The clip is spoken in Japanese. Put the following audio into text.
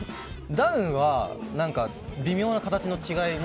ダウンは微妙な形の違いが。